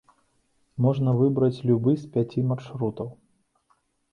Можна выбраць любы з пяці маршрутаў.